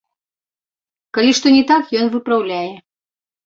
Калі што не так, ён выпраўляе.